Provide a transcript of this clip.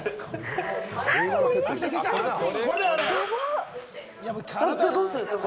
これをどうするんですか？